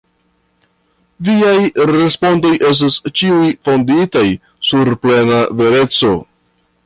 Viaj respondoj estas ĉiuj fonditaj sur plena vereco?